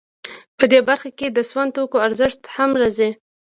په دې برخه کې د سون توکو ارزښت هم راځي